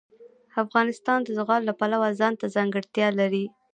افغانستان د زغال د پلوه ځانته ځانګړتیا لري.